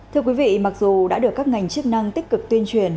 thưa quý vị mặc dù đã được các ngành chức năng tích cực tuyên truyền